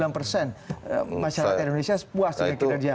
enam puluh sembilan persen masyarakat indonesia puas dengan kinerja